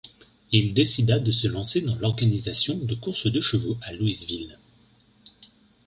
Il décida de se lancer dans l'organisation de courses de chevaux à Louisville.